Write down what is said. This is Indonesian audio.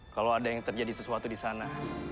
kalau ada yang terjadi sesuatu di sana